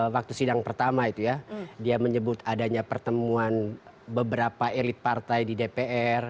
waktu sidang pertama itu ya dia menyebut adanya pertemuan beberapa elit partai di dpr